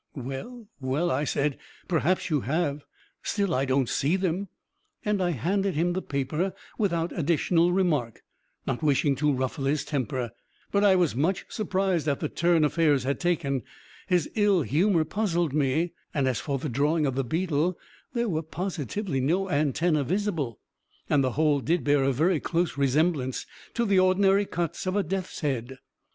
"Well, well," I said, "perhaps you have still I don't see them;" and I handed him the paper without additional remark, not wishing to ruffle his temper; but I was much surprised at the turn affairs had taken; his ill humor puzzled me and, as for the drawing of the beetle, there were positively no antennae visible, and the whole did bear a very close resemblance to the ordinary cuts of a death's head.